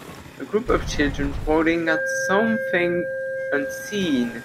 A group of children pointing at something unseen.